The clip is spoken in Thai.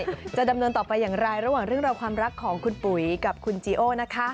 จะดำเนินต่อไปอย่างไรระหว่างเรื่องราวความรักของคุณปุ๋ยกับคุณจีโอนะคะ